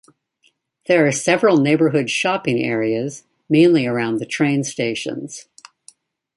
There are several neighbourhood shopping areas, mainly around the train stations.